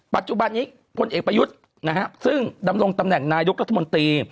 ปัจจุบันนี้พลเอกประยุทธ์ซึ่งดำรงตำแหน่งนายกรัฐมนตรี